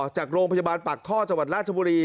จากโรงพยาบาลปากท่อจังหวัดราชบุรี